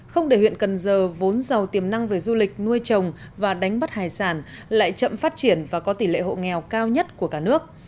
không để huyện cần giờ vốn giàu tiềm năng về du lịch nuôi trồng và đánh bắt hải sản lại chậm phát triển và có tỷ lệ hộ nghèo cao nhất của cả nước